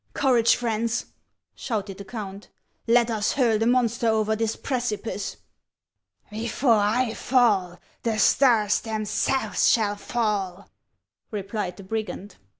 " Courage, friends !" shouted the count ;" let us hurl the monster over this precipice." 294 HANS OF ICELAND. " Before I fall, the stars themselves shall fall," replied the brigand.